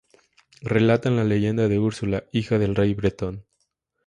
Relatan la leyenda de Úrsula, hija de un rey bretón.